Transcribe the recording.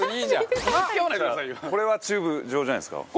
齊藤：これはチューブ状じゃないですか。